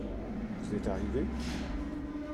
Vous êtes arrivé ?